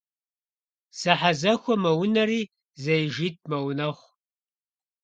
Зэхьэзэхуэ мэунэри зэижитӏ мэунэхъу.